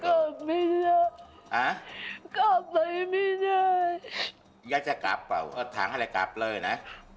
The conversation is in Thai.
กลับเลยพี่นายอยากจะกลับเปล่าเอาทั้งให้กลับเลยนะ